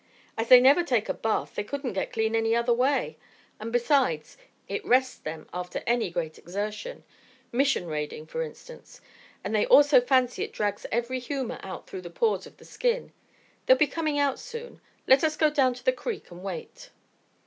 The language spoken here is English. "As they never take a bath, they couldn't get clean any other way; and besides it rests them after any great exertion Mission raiding, for instance and they also fancy it drags every humour out through the pores of the skin. They'll be coming out soon. Let us go down to the creek and wait."